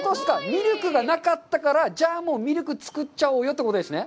ミルクがなかったから、じゃあ、ミルクを作っちゃおうよということですね？